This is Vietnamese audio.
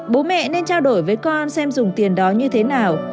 bố mẹ nên trao đổi với con xem dùng tiền đó như thế nào